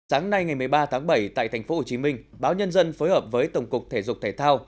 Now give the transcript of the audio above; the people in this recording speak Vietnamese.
sáng nay ngày một mươi ba tháng bảy tại tp hcm báo nhân dân phối hợp với tổng cục thể dục thể thao